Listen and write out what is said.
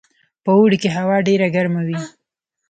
په اوړي کې هوا ډیره ګرمه وي